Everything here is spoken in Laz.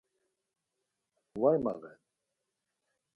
Var mağen.